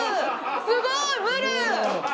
すごい！ブル！